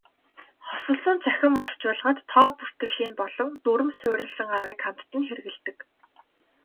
Хосолмол цахим орчуулгад тоо бүртгэлийн болон дүрэм суурилсан аргыг хамтад нь хэрэглэдэг.